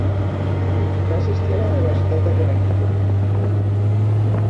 Va assistir a la Universitat de Connecticut.